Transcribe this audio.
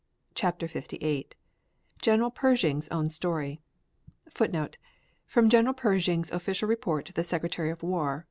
CHAPTER LVIII GENERAL PERSHING'S OWN STORY [Footnote: From General Pershing's official report to the Secretary of War.